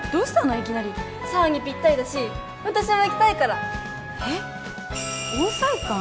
いきなり紗羽にぴったりだし私も行きたいからえっ桜彩館？